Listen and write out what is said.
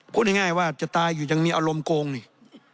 พูดง่ายว่าจะตายอยู่ยังมีอารมณ์โกงนี่